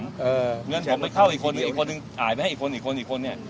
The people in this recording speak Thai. เพราะฉะนั้นถ้าเข้าอีกคนด้วย